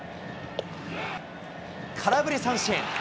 空振り三振。